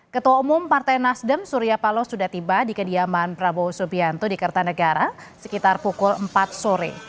ketua umum partai nasdem surya paloh sudah tiba di kediaman prabowo subianto di kertanegara sekitar pukul empat sore